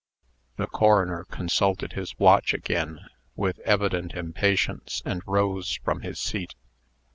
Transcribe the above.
The coroner consulted his watch again, with evident impatience, and rose from his seat.